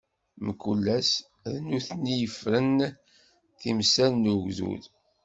Mkul ass, d nutni i yeferrun timsal n ugdud.